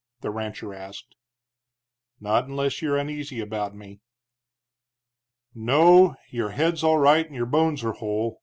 the rancher asked. "Not unless you're uneasy about me." "No, your head's all right and your bones are whole.